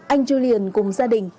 anh julian cùng gia đình